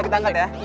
kita angkat ya